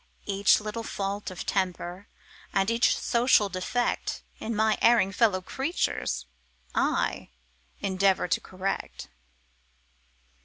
Each little fault of temper and each social defect In my erring fellow creatures, I endeavor to correct.